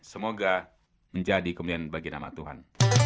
semoga menjadi kemudian bagi nama tuhan